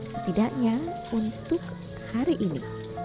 setidaknya untuk hari ini